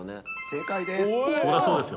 正解です。